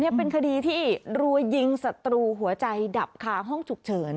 นี่เป็นคดีที่รัวยิงศัตรูหัวใจดับคาห้องฉุกเฉิน